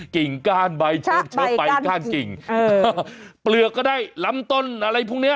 กิ่งก้านใบเชื้อใบก้านกิ่งเปลือกก็ได้ลำต้นอะไรพวกเนี้ย